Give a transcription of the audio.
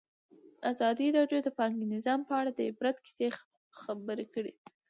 ازادي راډیو د بانکي نظام په اړه د عبرت کیسې خبر کړي.